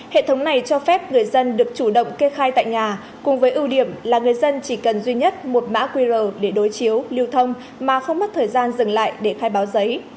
hệ thống này cho phép người dân được chủ động kê khai tại nhà cùng với ưu điểm là người dân chỉ cần duy nhất một mã qr để đối chiếu lưu thông mà không mất thời gian dừng lại để khai báo giấy